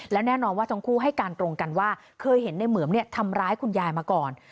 และแน่นอนว่าทั้งคู่ให้การตรงกันว่าเคยเห็นในเหมือมทำร้ายคุณยายมาก่อน